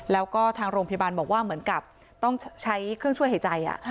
แล้วก็ทางโรงพยาบาลบอกว่าเหมือนกับต้องใช้เครื่องช่วยหายใจ